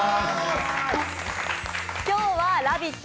今日は「ラヴィット！」